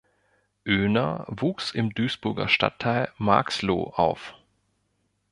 Öner wuchs im Duisburger Stadtteil Marxloh auf.